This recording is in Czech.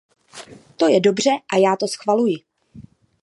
To je dobře a já to schvaluji.